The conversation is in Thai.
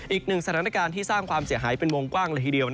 อีกหนึ่งสถานการณ์ที่สร้างความเสียหายเป็นวงกว้างเลยทีเดียว